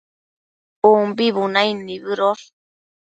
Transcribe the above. umbi bunaid nibëdosh